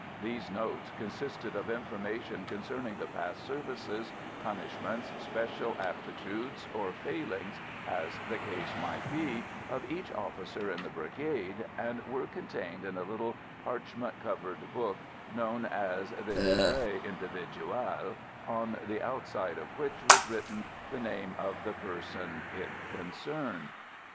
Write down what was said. These notes consisted of information concerning the past services, punishments, special aptitudes or failings, as the case might be, of each officer in the Brigade, and were contained in a little parchment covered book known as the livret individuel, on the outside of which was written the name of the person it concerned.